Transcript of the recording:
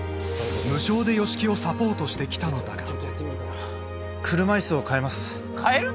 無償で吉木をサポートしてきたのだが車いすを変えます変える！？